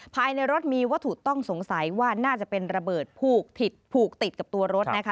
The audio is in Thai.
ภายในรถมีวัตถุต้องสงสัยว่าน่าจะเป็นระเบิดผูกผิดผูกติดกับตัวรถนะคะ